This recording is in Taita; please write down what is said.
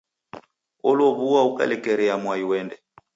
Olow'oa ukalekerea mwai uende.